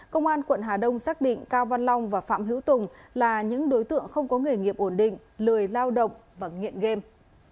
công an quận hà đông xác định cao văn long và phạm hữu tùng là những đối tượng không có nghề nghiệp ổn định lười lao động và nghiện game